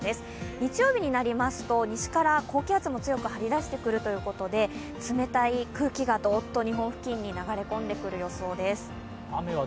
日曜日になりますと、西から高気圧も強く張り出してくるということで冷たい空気がどっと日本付近に流れ込んでくる予想です。